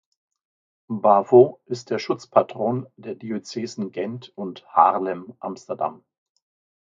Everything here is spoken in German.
Bavo ist der Schutzpatron der Diözesen Gent und Haarlem-Amsterdam.